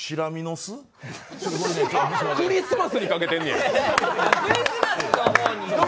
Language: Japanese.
クリスマスにかけてんやん！